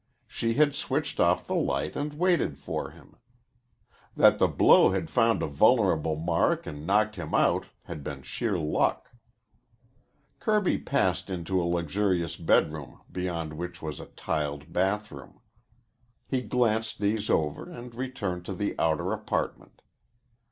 She had switched off the light and waited for him. That the blow had found a vulnerable mark and knocked him out had been sheer luck. Kirby passed into a luxurious bedroom beyond which was a tiled bathroom. He glanced these over and returned to the outer apartment.